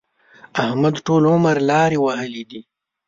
احمد ټول عمر لارې وهلې دي.